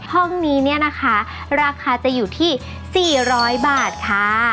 ห้องนี้เนี่ยนะคะราคาจะอยู่ที่๔๐๐บาทค่ะ